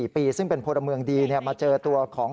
เขียนชื่อนามสกุลตัวเอง